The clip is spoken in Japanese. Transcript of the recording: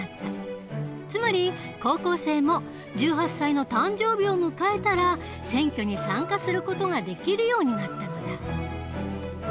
つまり高校生も１８歳の誕生日を迎えたら選挙に参加する事ができるようになったのだ。